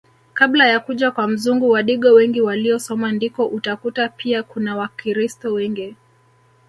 Kabla ya kuja kwa mzungu Wadigo wengi waliosoma ndiko utakuta pia kuna wakiristo wengi